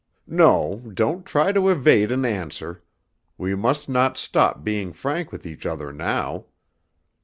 "No, don't try to evade an answer. We must not stop being frank with each other now."